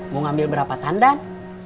mau ngambil berapa tandan